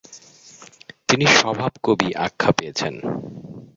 তিনি ‘স্বভাব কবি’আখ্যা পেয়েছেন।